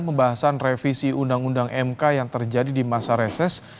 pembahasan revisi undang undang mk yang terjadi di masa reses